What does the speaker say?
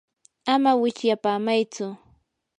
ama wichyapamaytsu.